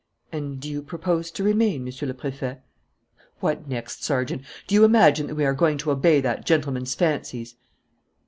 "And do you propose to remain, Monsieur le Préfet?" "What next, Sergeant? Do you imagine that we are going to obey that gentleman's fancies?"